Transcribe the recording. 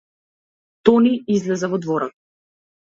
Тони излезе во дворот.